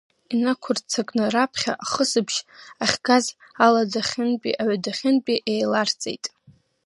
Инақәырццакны, раԥхьа ахысбыжь ахьгаз аладахьынтәи аҩадахьынтәи еиларҵеит.